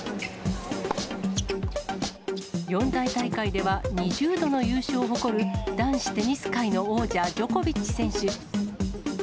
四大大会では２０度の優勝を誇る、男子テニス界の王者、ジョコビッチ選手。